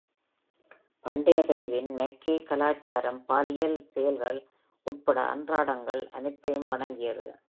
பண்டைய பெருவின் Moche கலாச்சாரம் பாலியல் செயல்கள் உட்பட அன்றாடங்கள் அனைத்தையும் வணங்கியது.